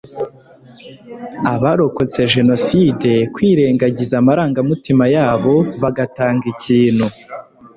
abarokotse Jenoside kwirengagiza amarangamutima yabo bagatanga ikintu